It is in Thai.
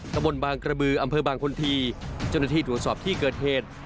ตะบนบางกระบืออำเภอบางคนทีเจ้าหน้าที่ตรวจสอบที่เกิดเหตุ